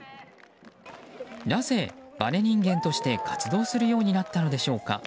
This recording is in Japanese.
なぜ、バネ人間として活動するようになったのでしょうか。